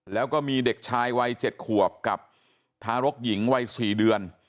แล้วก็มีเด็กชายวัย๗ขวบกับทารกหญิงวัย๔เดือน